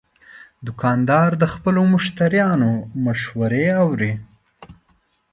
دوکاندار د خپلو مشتریانو مشورې اوري.